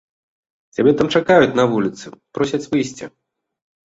Цябе там чакаюць на вуліцы, просяць выйсці.